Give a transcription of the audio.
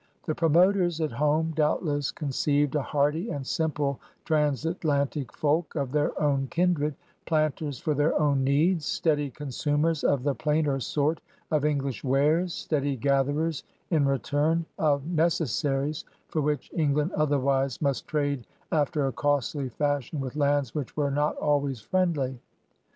The promoters at home doubtless con ceived a hardy and simple trans Atlantic folk of their own kindred, planters for their own needs, steady consumers of the plainer sort of English wares, steady gatherers, in return, of necessaries for which England otherwise must trade after a costly fashion with lands which were not always friendly.